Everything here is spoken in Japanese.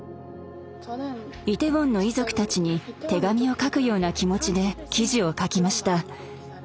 イテウォンの遺族たちに手紙を書くような気持ちで記事を書きました。